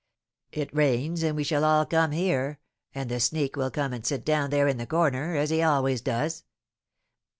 It rains, and we shall all come here, and the sneak will come and sit down there in the corner, as he always does.